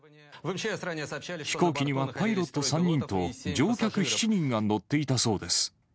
飛行機にはパイロット３人と、乗客７人が乗っていたそうです。